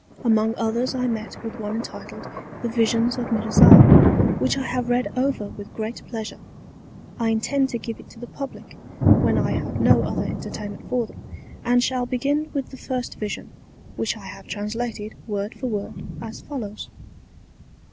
Among others I met with one entitled, The Visions of Mirzah, which I have read over with great Pleasure. I intend to give it to the Publick when I have no other entertainment for them; and shall begin with the first Vision, which I have translated Word for Word as follows.